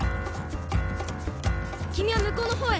君はむこうの方へ。